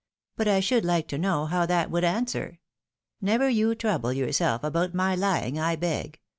But I should hke to know how that would answer ? Never you trouble yourself about my lying, I beg.